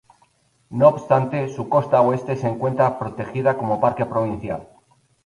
No obstante, su costa oeste se encuentra protegida como parque provincial.